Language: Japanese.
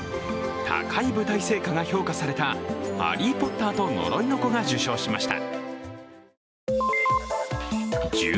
高い舞台成果が評価された「ハリー・ポッターと呪いの子」が受賞しました。